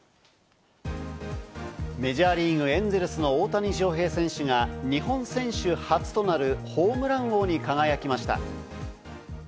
メジャーリーグ・エンゼルスの大谷翔平選手が日本選手初となるホームラン王に輝きました。